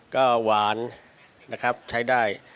ก็หวานนะครับใช้ได้